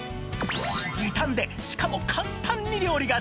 時短でしかも簡単に料理ができる！